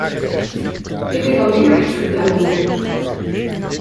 Ik wil alleen maar iets verduidelijken.